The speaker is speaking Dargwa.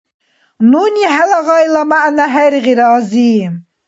Нуни хӀела гъайла мягӀна хӀергъира, ази.